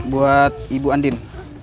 buat ibu andin